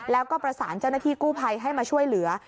แล้วก็ประสานเจ้าหน้าที่กู้ภัยให้มาช่วยเหลือ